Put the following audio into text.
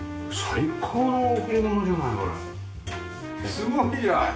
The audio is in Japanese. すごいじゃない！